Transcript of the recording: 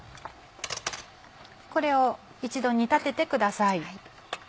これを一度煮立ててください。